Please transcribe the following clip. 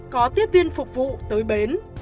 có tiếp viên phục vụ tới bến